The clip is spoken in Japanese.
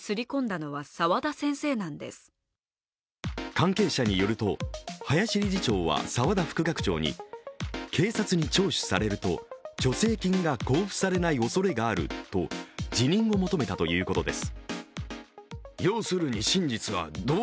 関係者によると林理事長は澤田副学長に警察に聴取されると助成金が交付されないおそれがあると辞任を求めたということです。